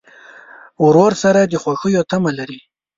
ورور سره د خوښیو تمه لرې.